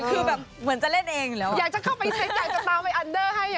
คือแบบเหมือนจะเล่นเองเหรออยากจะเข้าไปเซ็ตอยากจะเตาไปอันเดอร์ให้อย่างนี้